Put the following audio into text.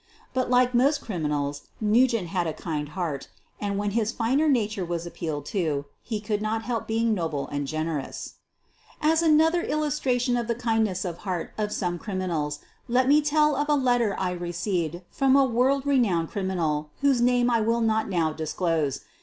But, like most criminals, Nugent had a kind heart, and, when his finer nature was appealed to, he could not help being noble and generous. As another illustration of the kindness of heart of some criminals, let me tell of a letter I received ft om a world renowned criminal, whose name I will QUEEN OF THE BURGLARS 255 mot now disclose.